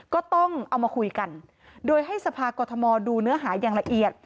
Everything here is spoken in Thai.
ก็ต้องเอามาคุยกันโดยให้สภากรทมดูเนื้อหาอย่างละเอียด